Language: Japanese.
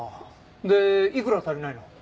でいくら足りないの？